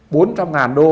bốn trăm ngàn đô